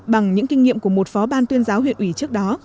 bằng những kinh nghiệm của một phó ban tuyên giáo huyện ủy trước đó